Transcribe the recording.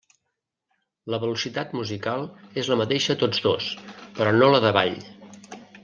La velocitat musical és la mateixa a tots dos, però no la de ball.